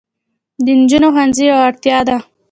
د نجونو ښوونځي یوه اړتیا ده.